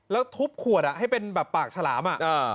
แล้วทุบขวดอ่ะให้เป็นแบบปากฉลามอ่ะอ่า